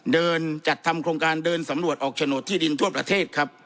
จัดทำโครงการเดินสำรวจออกโฉนดที่ดินทั่วประเทศครับ